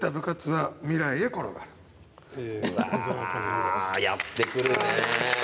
うわやってくるね。